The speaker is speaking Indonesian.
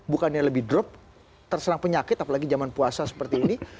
bukannya lebih drop terserang penyakit apalagi zaman puasa seperti ini